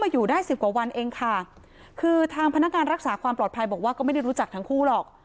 อยู่ได้สิบกว่าวันเองค่ะคือทางพนักการรักษาความปลอดภัยบอกว่าก็ไม่ได้รู้จักทั้งคู่หรอก